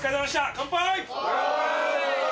乾杯！